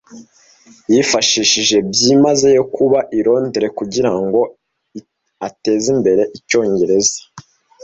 Yifashishije byimazeyo kuba i Londres kugirango atezimbere icyongereza.